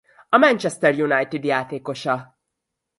A Manchester United játékosa.